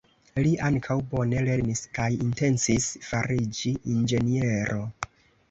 Li ankaŭ bone lernis kaj intencis fariĝi inĝeniero.